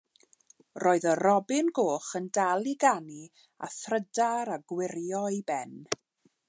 Roedd y robin goch yn dal i ganu a thrydar a gwyro'i ben.